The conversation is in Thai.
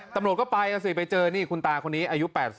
ตำรวจก็ไปนะสิไปเจอนี่คุณตาคนนี้อายุ๘๐